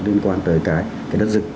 liên quan tới cái đất dựng